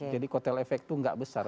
jadi kotel efek itu nggak besar